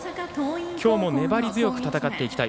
今日も粘り強く戦っていきたい。